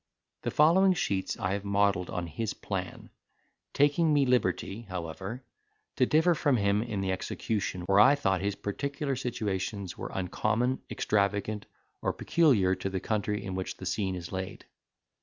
The following sheets I have modelled on his plan, taking me liberty, however, to differ from him in the execution, where I thought his particular situations were uncommon, extravagant, or peculiar to the country in which the scene is laid.